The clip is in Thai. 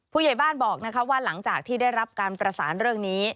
ผู้ใหญ่บ้านบอกว่าหลังจากที่ได้รับการประสานเรื่องนี้